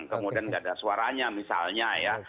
kemudian nggak ada suaranya misalnya ya